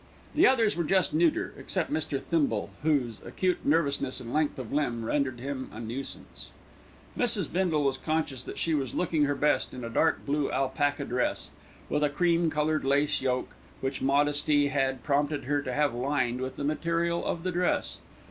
The others were just neuter, except Mr. Thimbell, whose acute nervousness and length of limb rendered him a nuisance. Mrs. Bindle was conscious that she was looking her best in a dark blue alpaca dress, with a cream coloured lace yoke, which modesty had prompted her to have lined with the material of the dress.